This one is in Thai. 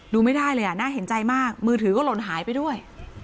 ดูไม่ได้เลยอ่ะน่าเห็นใจมากมือถือก็หล่นหายไปด้วย